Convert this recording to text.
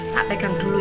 pak pegang dulu ya